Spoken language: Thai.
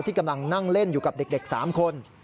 กำลังนั่งเล่นอยู่กับเด็ก๓คน